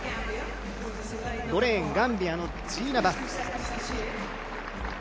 ５レーン、ガンビアのジーナ・バス。